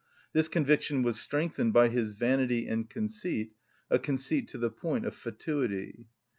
This conviction was strengthened by his vanity and conceit, a conceit to the point of fatuity.